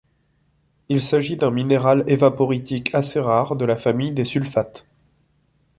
Il s'agit d'un minéral évaporitique assez rare de la famille des sulfates.